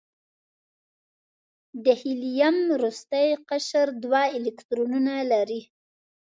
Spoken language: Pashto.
د هیلیم وروستی قشر دوه الکترونونه لري.